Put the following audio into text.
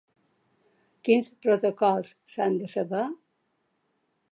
Quins protocols s’han de saber?